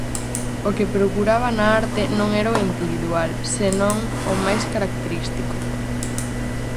O que procuraba na arte non era o individual, senón o máis característico.